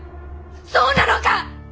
そうなのか！？